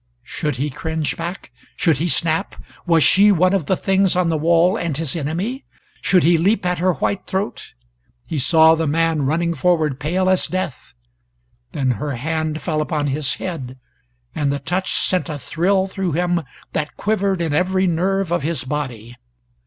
Should he cringe back? Should he snap? Was she one of the things on the wall, and his enemy? Should he leap at her white throat? He saw the man running forward, pale as death. Then her hand fell upon his head and the touch sent a thrill through him that quivered in every nerve of his body.